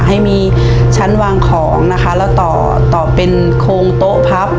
ให้มีชั้นวางของนะคะแล้วต่อต่อเป็นโครงโต๊ะพับ